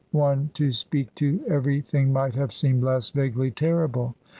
253 one to speak to everything might have seemed less vaguely terrible.